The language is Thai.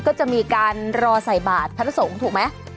ก็จะมีการรอใส่บาทพระสงฆ์ถูกไหม